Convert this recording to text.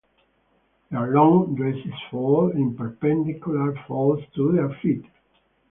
Their long dresses fall in perpendicular folds to their feet.